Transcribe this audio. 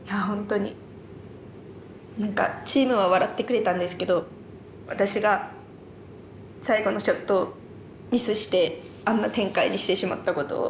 本当に何かチームは笑ってくれたんですけど私が最後のショットをミスしてあんな展開にしてしまったことを。